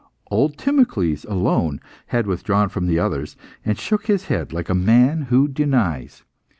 Old Timocles alone had withdrawn from the others, and shook his head like a man who denies.